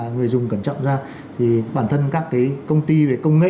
người dùng cẩn trọng ra thì bản thân các cái công ty về công nghệ